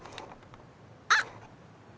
あっ！